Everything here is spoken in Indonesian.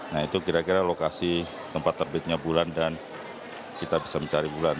nah itu kira kira lokasi tempat terbitnya bulan dan kita bisa mencari bulan